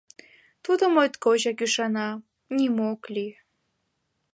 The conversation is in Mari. Тудо моткочак ӱшана: нимо ок лий.